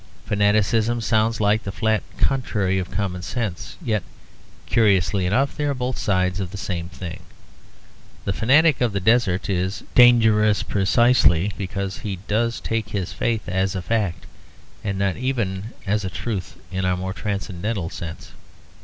Fanaticism sounds like the flat contrary of common sense; yet curiously enough they are both sides of the same thing. The fanatic of the desert is dangerous precisely because he does take his faith as a fact, and not even as a truth in our more transcendental sense.